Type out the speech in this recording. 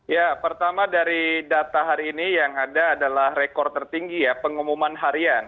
ya pertama dari data hari ini yang ada adalah rekor tertinggi ya pengumuman harian